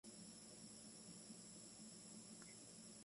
Vida y obra de Joaquín María de Valverde Lasarte.